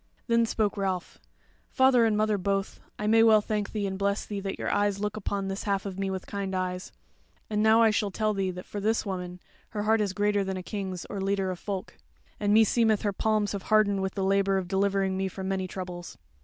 Then spoke Ralph: "Father and mother both, I may well thank thee and bless thee that your eyes look upon this half of me with kind eyes. And now I shall tell thee that for this woman, her heart is greater than a king's or a leader of folk. And meseemeth her palms have hardened with the labour of delivering me from many troubles."